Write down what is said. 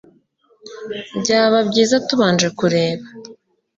byaba byiza tubanje kureba